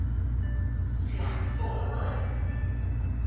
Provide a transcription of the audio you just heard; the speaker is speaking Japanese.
市役所？